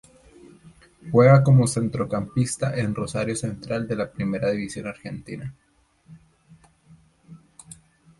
Juega como centrocampista en Rosario Central de la Primera División Argentina.